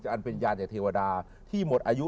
อันเป็นยานใหญ่เทวดาที่หมดอายุ